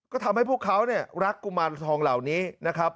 ก็ทำให้พวกเขาเนี่ยรักกุมารทองเหล่านี้นะครับ